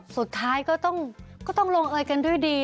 สุดท้ายก็ต้องลงเอยกันด้วยดี